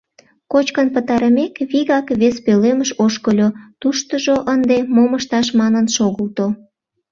Кочкын пытарымек, вигак вес пӧлемыш ошкыльо, туштыжо ынде мом ышташ манын шогылто.